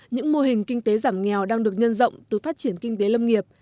những mô hình kinh tế giảm nghèo đang được nhân rộng từ phát triển kinh tế lâm nghiệp